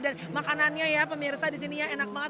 dan makanannya ya pemirsa di sini ya enak banget